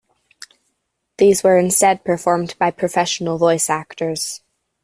These were instead performed by professional voice actors.